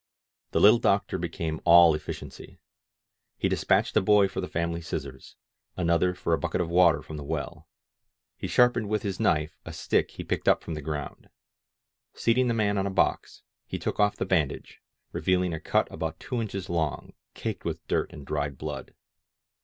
The little doctor became all eflSciency. He dispatched a boy for the family scissors, another for a bucket of water from the well. He sharpened with his knife a stick he picked up from the ground. Seat ing the man on a box, he took off the bandage, reveal ing a cut about two inches long, caked with dirt and dried blood.